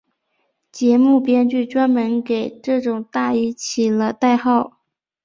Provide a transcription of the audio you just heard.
节目编剧专门给这种大衣起了代号。